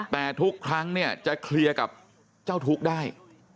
แต่ทุกครั้งเนี่ยจะเคลียร์กับเจ้าทุกข์ได้